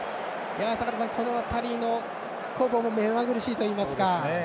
坂田さん、この辺りの攻防めまぐるしいといいますか。